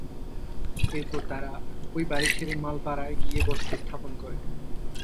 এরপর তারা ঐ বাড়ি ছেড়ে মালপাড়ায় গিয়ে বসতি স্থাপন করে।